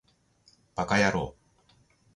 ヴぁかやろう